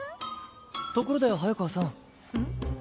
ところで早川さん。